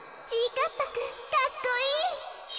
かっぱくんかっこいい。